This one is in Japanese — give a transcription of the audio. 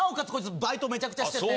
バイトめちゃくちゃしてて。